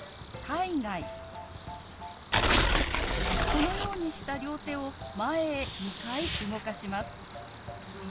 このようにした両手を前へ２回動かします。